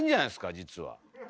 実は。